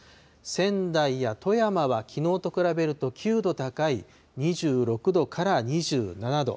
仙台や富山は、きのうと比べると９度高い２６度から２７度。